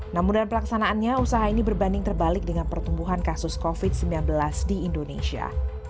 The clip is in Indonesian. namun dalam pelaksanaannya usaha ini berbanding terbalik dengan pertumbuhan kasus covid sembilan belas di indonesia